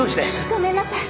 ごめんなさい。